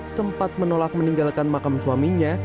sempat menolak meninggalkan makam suaminya